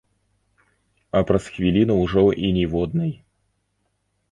А праз хвіліну ўжо і ніводнай.